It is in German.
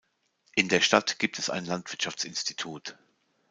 In der Stadt gibt es ein Landwirtschaftsinstitut.